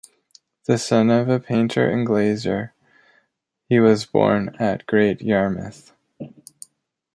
The son of a painter and glazier, he was born at Great Yarmouth.